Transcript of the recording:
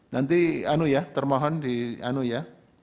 nanti anu ya termohon di anu ya